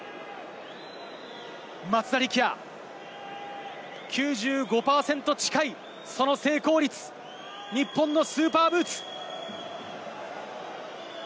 松田力也、９５％近いその成功率、日本のスーパーブーツ！